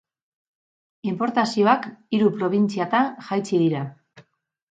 Inportazioak hiru probintziatan jaitsi dira.